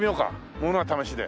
ものは試しで。